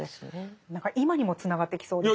何か今にもつながってきそうですね。